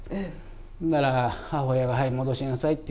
そしたら母親が「はい戻しなさい」と。